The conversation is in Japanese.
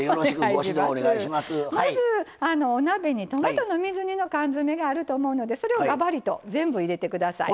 まずお鍋にトマトの水煮の缶詰めがあると思うんでそれをがばりと全部入れてください。